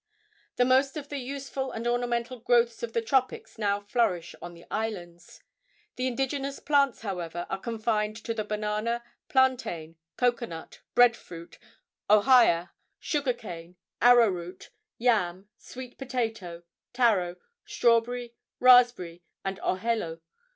The most of the useful and ornamental growths of the tropics now flourish on the islands. The indigenous plants, however, are confined to the banana, plantain, cocoanut, breadfruit, ohia, sugar cane, arrow root, yam, sweet potato, taro, strawberry, raspberry and ohelo.